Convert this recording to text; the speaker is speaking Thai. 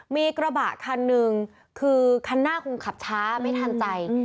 มีกระบะคันหนึ่งคือคันหน้าคงขับช้าไม่ทันใจ